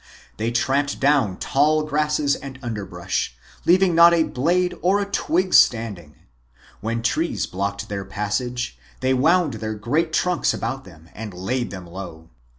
They tramped down tall grasses and underbrush, leaving not a blade or a twig standing. When trees blocked their passage, they wound their great trunks about them and laid them low.